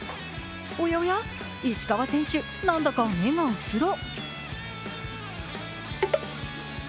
おやおや、石川選手、なんだか目がうつろ。